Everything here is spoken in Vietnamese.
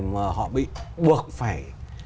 mà họ bị buộc phải